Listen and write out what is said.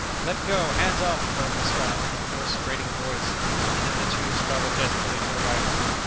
"Let go! hands off!" moaned the Scot, in a hoarse, grating voice—and then the two struggled desperately for the rifle.